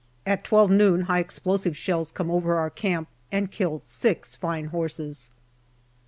At twelve noon high explosive shells come over our camp and kill six fine horses.